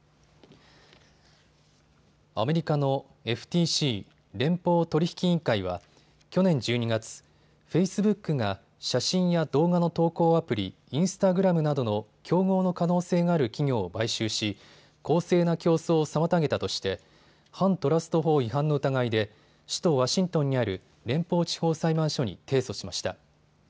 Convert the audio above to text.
アメリカのＦＴＣ・連邦取引委員会は去年１２月、フェイスブックが写真や動画の投稿アプリ、インスタグラムなどの競合の可能性がある企業を買収し公正な競争を妨げたとして反トラスト法違反の疑いで首都ワシントンにある連邦地方裁判所に提訴しました。